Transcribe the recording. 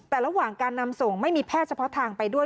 แต่ระหว่างการนำส่งไม่มีแพทย์เฉพาะทางไปด้วย